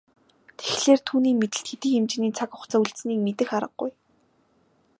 Тэгэхлээр түүний мэдэлд хэдий хэмжээний цаг хугацаа үлдсэнийг мэдэх аргагүй.